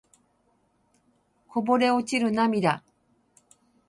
こぼれ落ちる涙